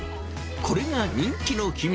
これが人気の秘密